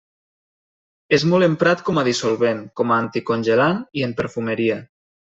És molt emprat com a dissolvent, com a anticongelant i en perfumeria.